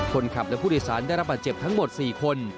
คนขับและผู้โดยสารได้รับบาดเจ็บทั้งหมด๔คน